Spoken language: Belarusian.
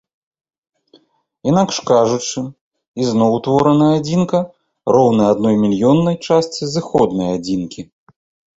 Інакш кажучы, ізноў утвораная адзінка роўная адной мільённай частцы зыходнай адзінкі.